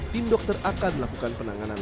tim dokter akan melakukan penanganan